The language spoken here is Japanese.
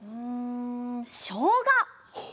うんしょうが！